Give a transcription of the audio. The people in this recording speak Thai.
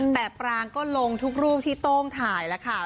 แต่ปรางก็ลงทุกรูปที่โต้งถ่ายแล้วค่ะ